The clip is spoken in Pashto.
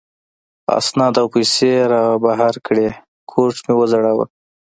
اسناد او پیسې را وبهر کړې، کوټ مې و ځړاوه.